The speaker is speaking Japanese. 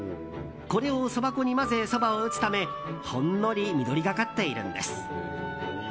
これをそば粉に混ぜそばを打つためほんのり緑がかっているんです。